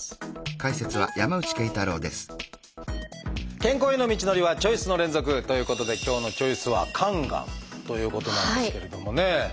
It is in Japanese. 健康への道のりはチョイスの連続！ということで今日の「チョイス」は「肝がん」ということなんですけれどもね。